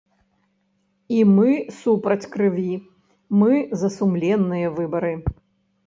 І мы супраць крыві, мы за сумленныя выбары.